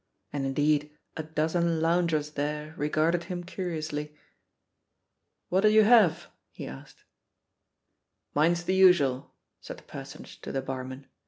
And, indeed, a dozen loungers there regarded him curiously. 'What'll you have?" he asked. '3Iine's the usual," said the personage to the barman.